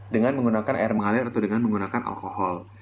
dengan menggunakan air mengalir atau dengan menggunakan alkohol